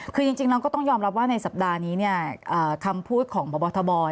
คือจริงแล้วก็ต้องยอมรับว่าในสัปดาห์นี้คำพูดของพบทบ